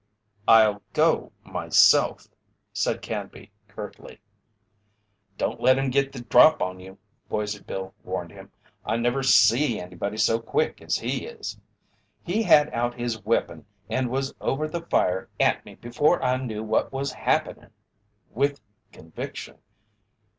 "I'll go myself," said Canby, curtly. "Don't let him git the drop on you," Boise Bill warned him. "I never see anybody so quick as he is. He had out his weepon and was over the fire at me before I knew what was happenin'," with conviction.